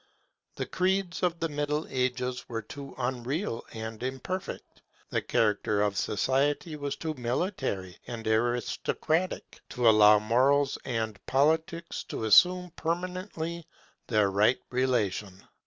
The creeds of the Middle Ages were too unreal and imperfect, the character of society was too military and aristocratic, to allow Morals and Politics to assume permanently their right relation.